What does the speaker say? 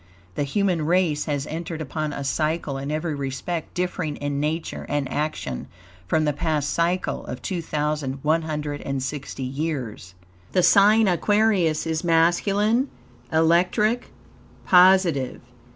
The human race has entered upon a cycle in every respect differing in nature and action from the past cycle of 2,160 years. The sign Aquarius is masculine, electric, positive.